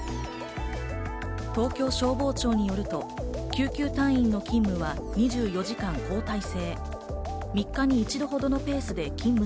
東京消防庁によると、救急隊員の勤務は２４時間交替制。